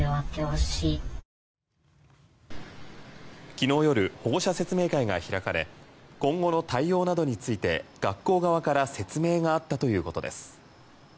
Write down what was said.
昨日夜保護者説明会が開かれ今後の対応などについて学校側から説明があったということです。